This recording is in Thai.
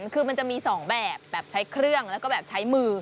คือมันจะมี๒แบบแบบใช้เครื่องแล้วก็แบบใช้มือ